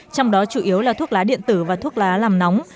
trong đó chủ yếu là thuốc lá điện tử và thuốc lá làm nóng